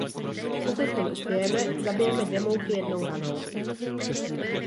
Pokud v tom uspějeme, zabijeme dvě mouchy jednou ranou.